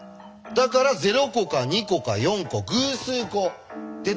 だから０個か２個か４個偶数個出てきます。